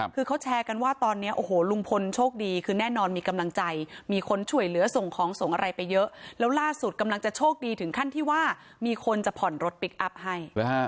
คือเขาแชร์กันว่าตอนนี้โอ้โหลุงพลโชคดีคือแน่นอนมีกำลังใจมีคนช่วยเหลือส่งของส่งอะไรไปเยอะแล้วล่าสุดกำลังจะโชคดีถึงขั้นที่ว่ามีคนจะผ่อนรถพลิกอัพให้